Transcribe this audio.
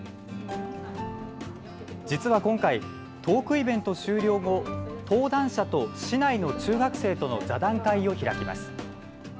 実は今回、トークイベント終了後登壇者と市内の中学生との座談会を開きます。